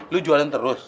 lu jualan terus